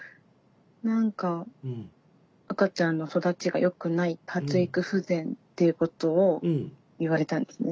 何か赤ちゃんの育ちがよくない発育不全ということを言われたんですね。